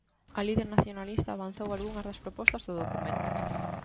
A líder nacionalista avanzou algunhas das propostas do documento.